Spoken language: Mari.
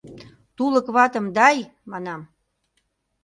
Тулык ватым «дай», манам!